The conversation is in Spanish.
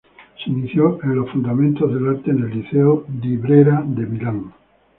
Se inició en los fundamentos del arte en el Liceo Di Brera de Milán.